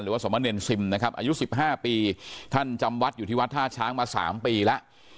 สมเนรซิมนะครับอายุสิบห้าปีท่านจำวัดอยู่ที่วัดท่าช้างมา๓ปีแล้ว